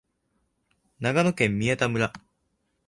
長野県宮田村